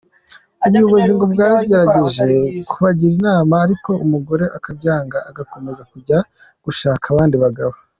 Ubuyobozi ngo bwagerageje kubagira inama ariko umugore akabyanga agakomeza kujya gushaka abandi bagabo.